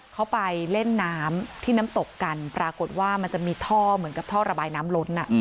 เขาไปเล่นน้ำที่น้ำตกกันปรากฏว่ามันจะมีท่อเหมือนกับท่อระบายน้ำล้น